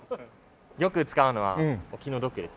よく使うのはお気の毒ですね。